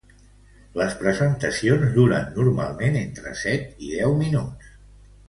Les presentacions duren normalment entre set i deu minuts.